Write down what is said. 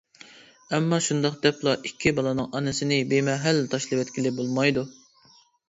ئەمما شۇنداق دەپلا ئىككى بالىنىڭ ئانىسىنى بىمەھەل تاشلىۋەتكىلى بولمايدۇ.